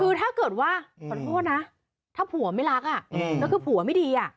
คือถ้าเกิดว่าขอโทษนะถ้าผัวไม่รักแล้วคือผัวไม่ดี